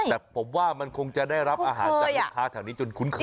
แต่ผมว่ามันคงจะได้รับอาหารจากลูกค้าแถวนี้จนคุ้นเคย